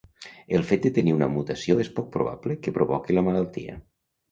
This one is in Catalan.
El fet de tenir una mutació és poc probable que provoqui la malaltia.